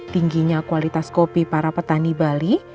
tingginya kualitas kopi para petani bali